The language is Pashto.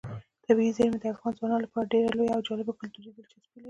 طبیعي زیرمې د افغان ځوانانو لپاره ډېره لویه او جالب کلتوري دلچسپي لري.